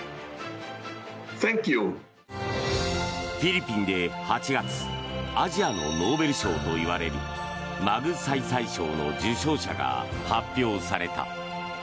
フィリピンで８月アジアのノーベル賞といわれるマグサイサイ賞の受賞者が発表された。